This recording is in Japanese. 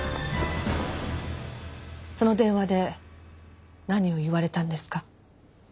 その電話で何を言われたんですか？